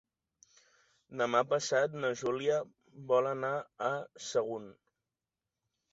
Demà passat na Júlia vol anar a Sagunt.